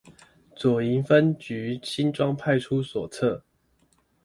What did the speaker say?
左營分局新莊派出所側